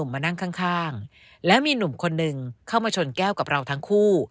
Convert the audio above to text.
มานั่งข้างแล้วมีหนุ่มคนหนึ่งเข้ามาชนแก้วกับเราทั้งคู่